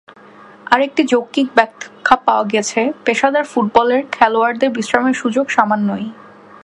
আরেকটি যৌক্তিক ব্যাখ্যা পাওয়া গেছে, পেশাদার ফুটবলে খেলোয়াড়দের বিশ্রামের সুযোগ সামান্যই।